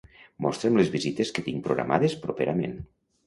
Mostra'm les visites que tinc programades properament.